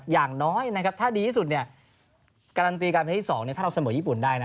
อย่างน้อยนะครับถ้าดีที่สุดการันตีการเป็นที่๒ถ้าเราเสมอญี่ปุ่นได้นะ